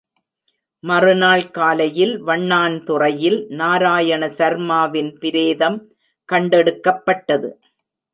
மறுநாள் காலையில், வண்ணான் துறையில் நாராயண சர்மாவின் பிரேதம் கண்டெடுக்கப்பட்டது.